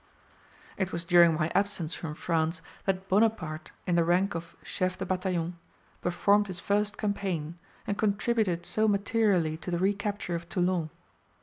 It was during my absence from France that Bonaparte, in the rank of 'chef de bataillon', performed his first campaign, and contributed so materially to the recapture of Toulon.